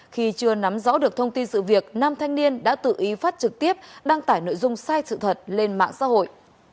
khi chưa nắm rõ được thông tin sự việc nam thanh niên đã tự ý phát trực tiếp đăng tải nội dung sai sự thật lên mạng xã hội